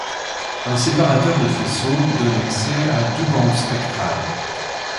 Un séparateur de faisceau donne accès à deux bandes spectrales.